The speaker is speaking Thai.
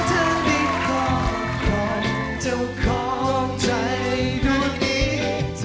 จัดการยานวิทยาลัย